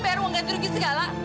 bayar uang ganti rugi segala